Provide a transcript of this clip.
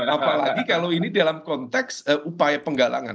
apalagi kalau ini dalam konteks upaya penggalangan